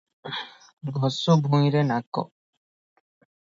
ଘଷୁ ଭୂଇଁରେ ନାକ ।"